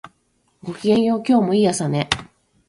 ごきげんよう、今日もいい朝ね